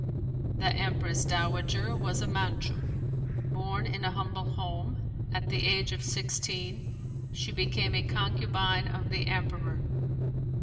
The Empress Dowager was a Manchu. Born in a humble home, at the age of sixteen she became a concubine of the Emperor.